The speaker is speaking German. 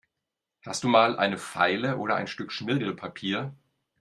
Hast du mal eine Feile oder ein Stück Schmirgelpapier?